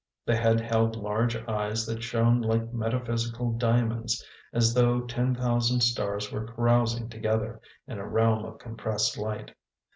The head held large eyes that shone like metaphysical diamonds, as though ten thousand stars were carousing together, in a realm of compressed light.